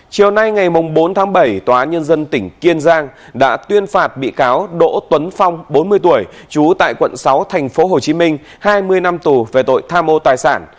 chiều nay ngày bốn tháng bảy tòa án nhân dân tỉnh kiên giang đã tuyên phạt bị cáo đỗ tuấn phong bốn mươi tuổi trú tại quận sáu tp hcm hai mươi năm tù về tội tham mô tài sản